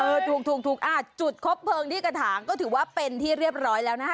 ถูกอ่ะจุดคบเพลิงที่กระถางก็ถือว่าเป็นที่เรียบร้อยแล้วนะคะ